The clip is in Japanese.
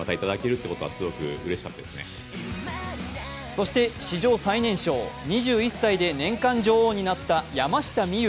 そして史上最年少、２１歳で年間女王になった山下美夢